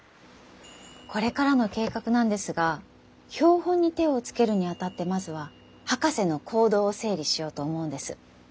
これからの計画なんですが標本に手をつけるにあたってまずは博士の行動を整理しようと思うんです。